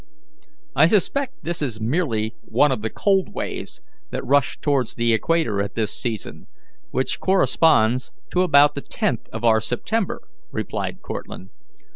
"I suspect this is merely one of the cold waves that rush towards the equator at this season, which corresponds to about the 10th of our September," replied Cortlandt.